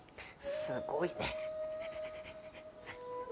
すごいね。